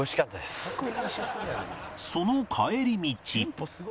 その帰り道